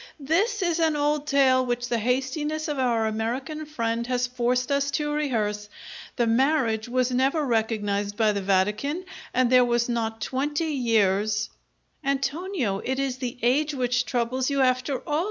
"This is an old tale which the hastiness of our American friend has forced us to rehearse. The marriage was never recognized by the Vatican, and there was not twenty years " "Antonio, it is the age which troubles you, after all!"